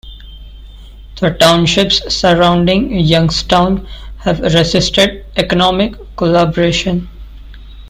The townships surrounding Youngstown have resisted economic collaboration.